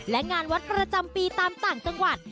และงานวัดประจำปีตามต่างจังหวัด